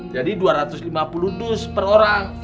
jadi dua ratus lima puluh dus per orang